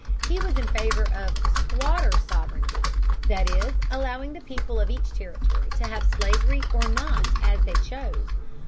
He was in favor of "squatter sovereignty," that is, allowing the people of each territory to have slavery or not as they chose.